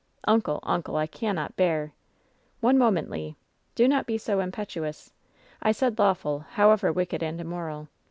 ^TJncle ! uncle ! I cannot bear ^^ "One moment, Le. Do not be so impetuous. I said lawful — however wicked and immoral.